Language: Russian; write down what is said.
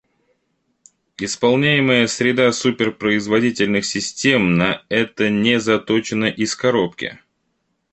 Исполняемая среда супер-производительных систем на это не заточена «из коробки»